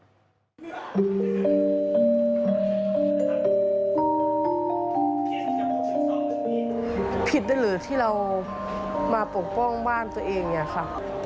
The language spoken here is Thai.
เหลือผิดหรือเหลือที่เรามาปกป้องบ้านตัวเองค่ะ